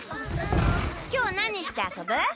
今日何して遊ぶ？